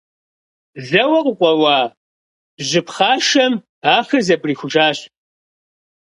Зэуэ къыкъуэуа жьы пхъашэм ахэр зэбгрихужащ.